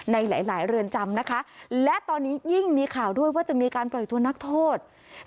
ในหลายเรือนจำนะคะและตอนนี้ยิ่งมีข่าวด้วยว่าจะมีการปล่อยตัวนักโทษ